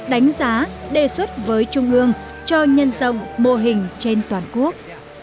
đánh giá đề xuất với trung ương cho nhân rộng mô hình trên toàn quốc